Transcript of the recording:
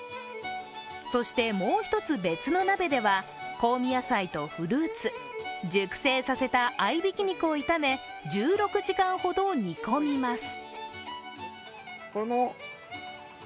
そして、もう１つ別の鍋では香味野菜とフルーツ、熟成させた合いびき肉を炒め、１６時間ほど煮込みます。